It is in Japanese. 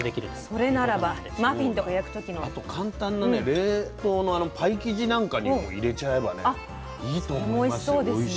それならばマフィンとか焼く時の。そうかあと簡単なね冷凍のパイ生地なんかにも入れちゃえばねいいと思いますよ。